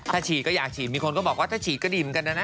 ถ้าฉีดก็อยากฉีดมีคนก็บอกว่าถ้าฉีดก็ดีเหมือนกันนะนะ